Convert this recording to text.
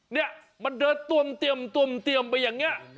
เนี่ยมันเดินต้มเตียมต้มเตียมไปอย่างเนี่ย